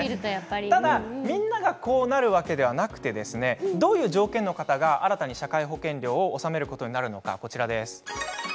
ただ、みんながこうなるわけではなくてどういう条件の方が新たに社会保険料を納めることになるのか、こちらです。